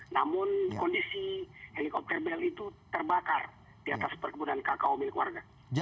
namun kondisi helikopter bel itu terbakar di atas perkebunan kakao milik warga